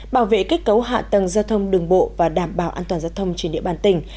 bảo vệ kết cấu hạ tầng giao thông đường bộ và đảm bảo an toàn giao thông trên địa bàn tỉnh